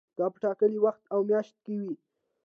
دا په ټاکلي وخت او میاشت کې وي.